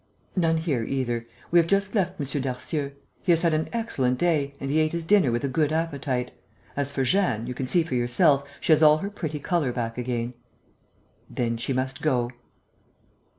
"None here, either. We have just left M. Darcieux. He has had an excellent day and he ate his dinner with a good appetite. As for Jeanne, you can see for yourself, she has all her pretty colour back again." "Then she must go."